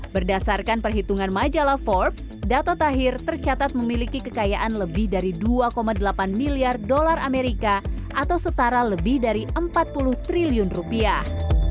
berdasarkan perhitungan majalah forbes dato tahir tercatat memiliki kekayaan lebih dari dua delapan miliar dolar amerika atau setara lebih dari empat puluh triliun rupiah